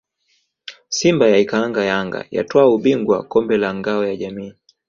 Simba yaikaanga Yanga yatwaa ubingwa kombe la Ngao ya Jamii